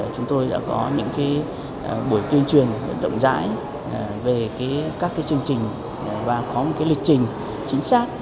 chúng tôi đã có những buổi tuyên truyền rộng rãi về các chương trình và có một lịch trình chính xác